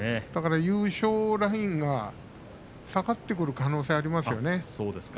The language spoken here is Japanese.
優勝ラインが下がってくる可能性があります。